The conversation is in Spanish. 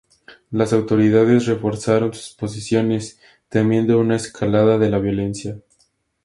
Las autoridades reforzaron sus posiciones, temiendo una escalada de la violencia.